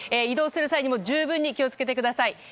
移動する際にも十分に気を付けてください。